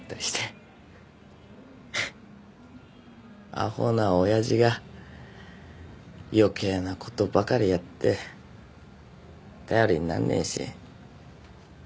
アホな親父が余計なことばかりやって頼りになんねえし。